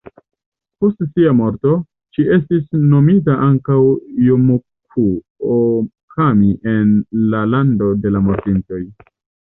Post sia morto, ŝi estis nomita ankaŭ Jomocu-ookami en la lando de la mortintoj.